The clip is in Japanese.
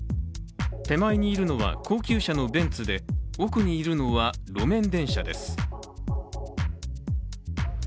手前にいるのは高級車のベンツで、奥にいるのは路面電車です。